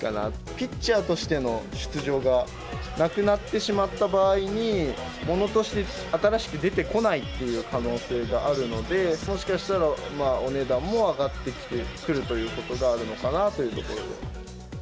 ピッチャーとしての出場がなくなってしまった場合に、物として新しく出てこないっていう可能性があるので、もしかしたら、お値段も上がってくるということがあるのかなというところで。